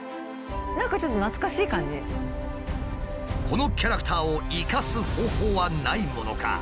このキャラクターを生かす方法はないものか？